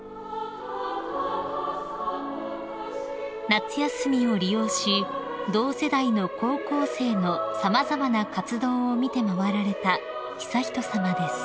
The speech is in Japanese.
［夏休みを利用し同世代の高校生の様々な活動を見て回られた悠仁さまです］